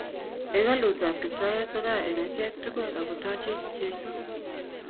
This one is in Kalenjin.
Hekalut ab Kiptayat ko gaa eng achek tugul akotachech Jeso